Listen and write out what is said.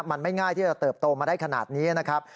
มันไม่ง่ายที่จะเติบโตมาได้ขนาดนี้นะครับ